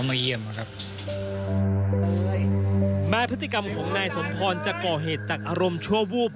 แม่พฤติกรรมของนายสมพรจะก่อเหตุจากอารมณ์ชั่ววูบ